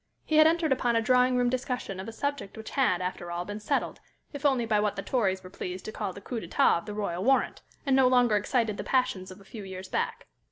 He had entered upon a drawing room discussion of a subject which had, after all, been settled, if only by what the Tories were pleased to call the coup d'état of the Royal Warrant, and no longer excited the passions of a few years back.